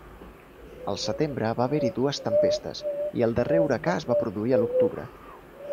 Al Setembre va haver-hi dues tempestes, i el darrer huracà es va produir a l'octubre.